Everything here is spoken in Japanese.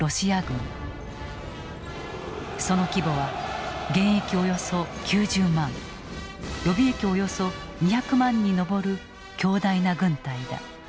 その規模は現役およそ９０万予備役およそ２００万に上る強大な軍隊だ。